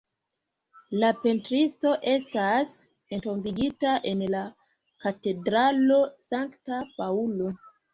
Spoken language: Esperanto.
La pentristo estas entombigita en la katedralo Sankta Paŭlo.